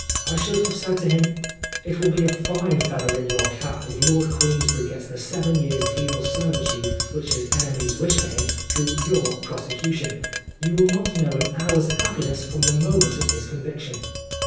I should have said to him, "It will be a fine feather in your cap if Lord Queensberry gets the seven years' penal servitude which his enemies wish for him, through your prosecution ! You will not know an hour's happiness from the moment of his conviction."